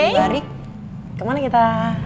tahun baru kemana kita